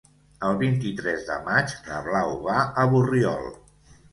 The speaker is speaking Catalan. El vint-i-tres de maig na Blau va a Borriol.